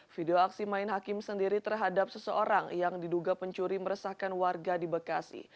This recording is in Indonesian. video aksi main hakim sendiri terhadap seseorang yang diduga pencuri meresahkan warga di bekasi